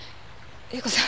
栄子さん